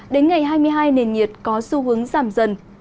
đến ngày hai mươi hai nền nhiệt có xu hướng giảm dần